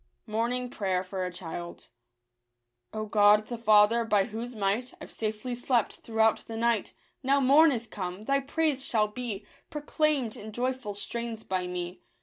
JMorairtg IPrager for a ©Jjllflb. O God the Father, by whose might I've safely slept throughout the night, Now morn is come, Thy praise shall be Proclaimed in joyful strains by me.